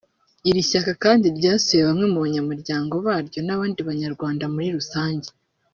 Iri shyaka kandi ryasuye bamwe mu banyamuryango baryo n’abandi banyarwanda muri rusange